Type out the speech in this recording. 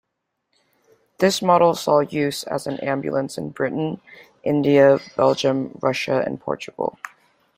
This model saw use as an ambulance in Britain, India, Belgium, Russia, and Portugal.